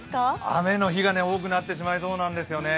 雨の日が多くなってしまいそうなんですよね。